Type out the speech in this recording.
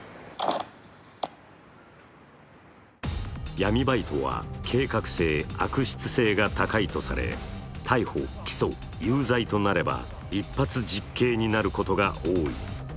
闇バイトは計画性、悪質性が高いとされ逮捕・起訴、有罪となれば一発実刑になることが多い。